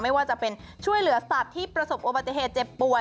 ไม่ว่าจะเป็นช่วยเหลือสัตว์ที่ประสบอุบัติเหตุเจ็บป่วย